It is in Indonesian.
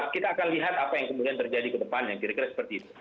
kita akan lihat apa yang kemudian terjadi ke depannya kira kira seperti itu